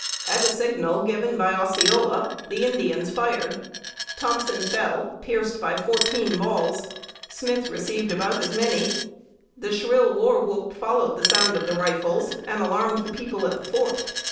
At a signal given by Osceola, the Indians fired. Thompson fell, pierced by fourteen balls; Smith received about as many. The shrill war whoop followed the sound of the rifles, and alarmed the people at the fort.